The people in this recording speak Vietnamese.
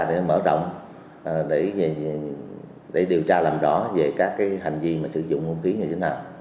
để mở rộng để điều tra làm rõ về các hành vi sử dụng không ký như thế nào